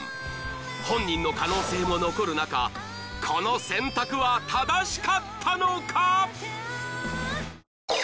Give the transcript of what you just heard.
［本人の可能性も残る中この選択は正しかったのか？］